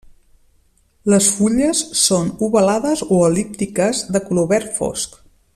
Les fulles són ovalades o el·líptiques de color verd fosc.